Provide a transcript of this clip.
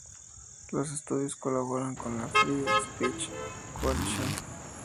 Los estudios colaboran con la Free Speech Coalition.